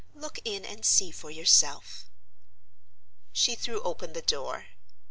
Look in and see for yourself." She threw open the door. Mrs.